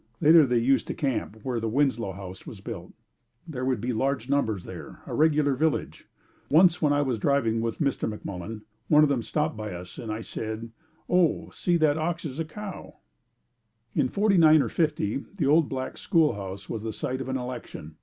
Later they used to camp where the Winslow house was built. There would be large numbers there, a regular village. Once when I was driving with Mr. McMullen, one of them stopped by us and I said, "Oh, see that ox is a cow!" In '49 or '50 the old black schoolhouse was the site of an election.